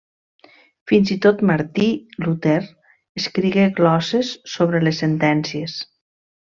Fins i tot Martí Luter escrigué glosses sobre les sentències.